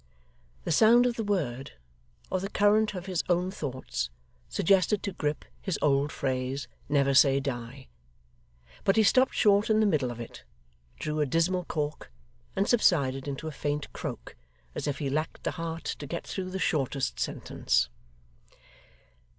The sound of the word, or the current of his own thoughts, suggested to Grip his old phrase 'Never say die!' But he stopped short in the middle of it, drew a dismal cork, and subsided into a faint croak, as if he lacked the heart to get through the shortest sentence.